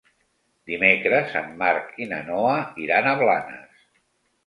Dimecres en Marc i na Noa iran a Blanes.